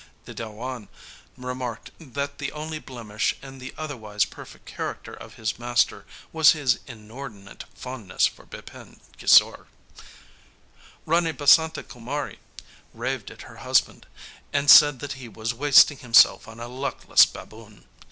The Dewan remarked that the only blemish in the otherwise perfect character of his master was his inordinate fondness for Bipin Kisore. Rani Basanta Kumari raved at her husband, and said that he was wasting himself on a luckless baboon.